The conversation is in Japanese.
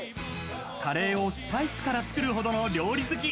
カレーをスパイスから作るほどの料理好き。